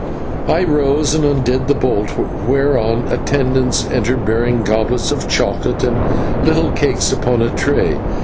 I rose, and undid the bolt, whereon attendants entered bearing goblets of chocolate, and little cakes upon a tray.